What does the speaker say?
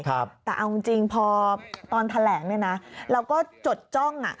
แต่เอาจริงพอตอนแถลงเราก็จดจ้อง